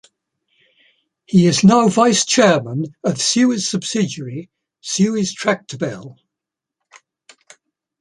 He is now Vice Chairman of Suez subsidiary, Suez-Tractebel.